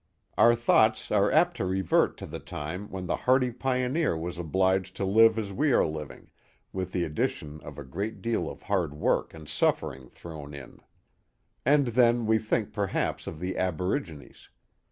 Our thoughts are apt to revert to the time when the hardy pioneer was obliged to live as we are living, with the addition of a great deal of hard work and suffering thrown in. And then we think perhaps of the aborigines.